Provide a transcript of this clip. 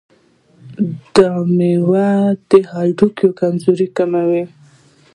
دا مېوه د هډوکو کمزوري کموي.